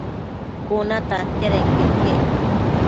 Cuna tantiadenquio iquec